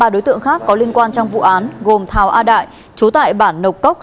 ba đối tượng khác có liên quan trong vụ án gồm thào a đại trú tại bản nộc cốc